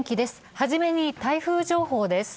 初めに台風情報です。